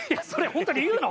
本当に言うの？